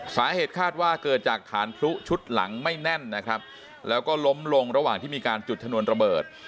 สาเหตุคาดว่าเกิดจากฐานพลุชุดหลังไม่แน่นนะครับแล้วก็ล้มลงระหว่างที่มีการจุดชนวนระเบิด